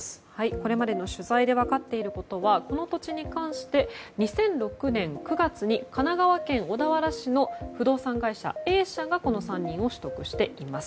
これまでの取材で分かっていることはこの土地に関して２００６年９月に神奈川県小田原市の不動産会社Ａ社がこの山林を取得しています。